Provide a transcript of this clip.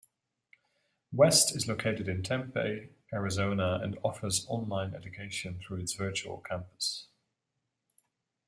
West is located in Tempe, Arizona and offers online education through its virtual campus.